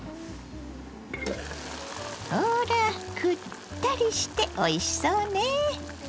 ほらくったりしておいしそうね。